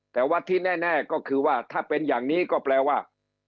แต่ว่าที่แน่ก็คือว่าถ้าเป็นอย่างนี้ก็แปลว่า